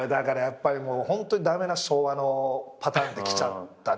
ホントに駄目な昭和のパターンできちゃったね。